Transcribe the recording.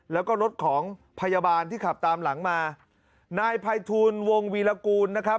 แล้วก็รถของพยาบาลที่ขับตามหลังมานายภัยทูลวงวีรกูลนะครับ